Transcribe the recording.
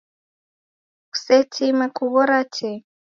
Kusetime kughora tee.